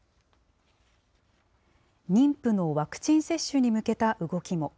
妊婦のワクチン接種に向けた動きも。